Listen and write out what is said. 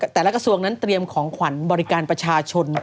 กระทรวงนั้นเตรียมของขวัญบริการประชาชน